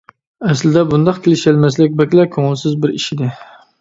ئەسلىدە بۇنداق كېلىشەلمەسلىك بەكلا كۆڭۈلسىز بىر ئىش ئىدى.